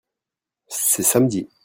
c'est samedi.